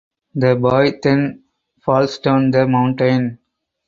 The boy then falls down the mountain.